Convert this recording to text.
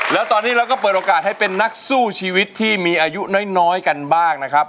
แล้วตอนนี้เราก็เปิดโอกาสให้เป็นนักสู้ชีวิตที่มีอายุน้อยกันบ้างนะครับ